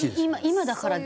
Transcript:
今だから。